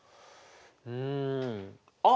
うんあっ！